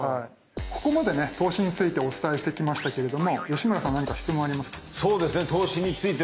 ここまでね投資についてお伝えしてきましたけれども吉村さん何か質問ありますか？